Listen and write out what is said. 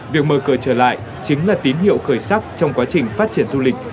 việc mở cửa trở lại chính là tín hiệu khởi sắc trong quá trình phát triển du lịch